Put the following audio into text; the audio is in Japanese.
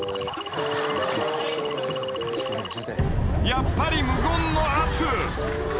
［やっぱり無言の圧］